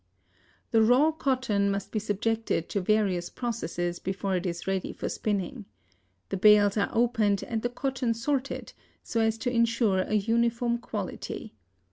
The raw cotton must be subjected to various processes before it is ready for spinning. The bales are opened and the cotton sorted, so as to insure a uniform quality.